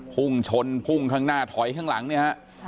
พุ่งชนพุ่งข้างหน้าถอยข้างหลังเนี่ยฮะ